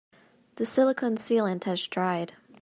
The silicon sealant has dried.